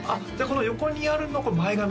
この横にあるのは前髪？